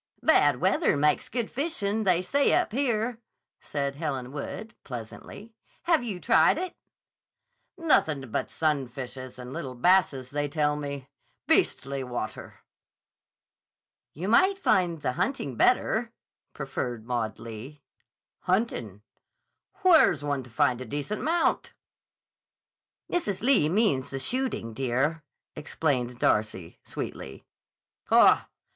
"Bad weather makes good fishing, they say up here," said Helen Wood, pleasantly. "Have you tried it?" "Nothin' but sunfishes and little basses, they tell me. Beastly water!" "You might find the hunting better," proffered Maud Lee. "Huntin'? Where's one to find a decent mount?" "Mrs. Lee means the shooting, dear," explained Darcy, sweetly. "Haw!